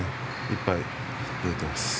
いっぱい届いています。